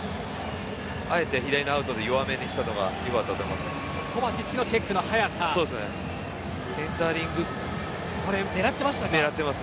あえて左のアウトで弱めにしたのが良かったと思います。